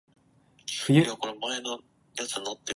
明るくほがらかで、細事にこだわらないさま。